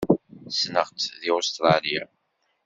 Ssneɣ-tt deg Ustṛalya.